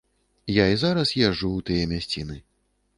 Я і зараз езджу ў тыя мясціны.